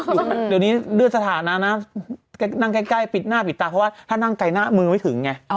เดี๋ยวนี้ด้วยสถานะนะนั่งใกล้ปิดหน้าปิดตาเพราะว่าถ้านั่งไกลหน้ามือไม่ถึงไง